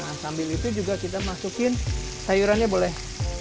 nah sambil itu juga kita masukin sayurannya boleh